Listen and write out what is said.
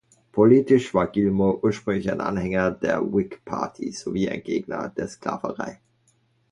Politisch war Gilmore ursprünglich ein Anhänger der Whig Party sowie ein Gegner der Sklaverei.